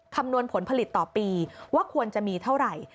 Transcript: คำนวณผลผลิตต่อปีว่าควรจะมีเท่าไหร่